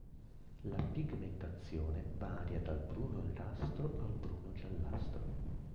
La pigmentazione varia dal bruno-nerastro al bruno-giallastro.